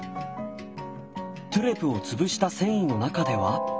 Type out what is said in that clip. トゥレを潰した繊維の中では。